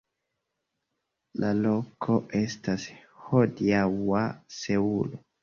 La loko estas hodiaŭa Seulo.